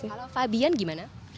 kalau fabian gimana